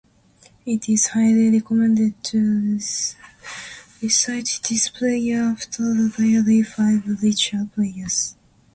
It is highly recommended to recite this prayer after the daily five ritual prayers.